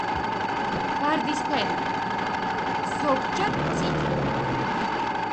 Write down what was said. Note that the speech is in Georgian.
ვარდისფერია, ზოგჯერ წითელი.